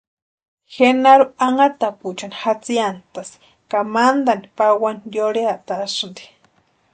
Genaru anhatapuechani jatsiantasti ka mantani pawani yurheatasïnti.